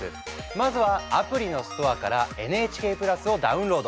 まずはアプリのストアからＮＨＫプラスをダウンロード！